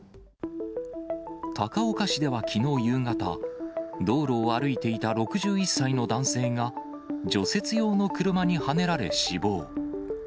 高岡市ではきのう夕方、道路を歩いていた６１歳の男性が除雪用の車にはねられ死亡。